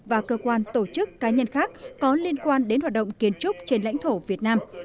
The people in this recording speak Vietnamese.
và cơ quan tổ chức cá nhân khác có liên quan đến hoạt động kiến trúc trên lãnh thổ việt nam